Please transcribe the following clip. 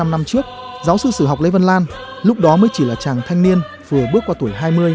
bốn mươi năm năm trước giáo sư sử học lê văn lan lúc đó mới chỉ là chàng thanh niên vừa bước qua tuổi hai mươi